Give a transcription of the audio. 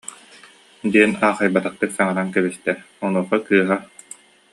диэн аахайбаттык саҥаран кэбистэ, онуоха кыыһа: